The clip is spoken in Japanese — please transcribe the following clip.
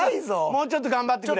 もうちょっと頑張ってくれ。